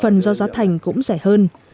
phần do gió thành cũng rẻ hơn